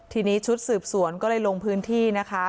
ทีนี้ชุดสืบสวนก็เลยลงพื้นที่นะคะ